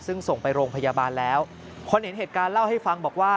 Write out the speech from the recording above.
ซึ่งส่งไปโรงพยาบาลแล้วคนเห็นเหตุการณ์เล่าให้ฟังบอกว่า